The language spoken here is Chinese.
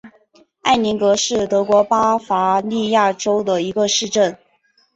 埃林格是德国巴伐利亚州的一个市镇。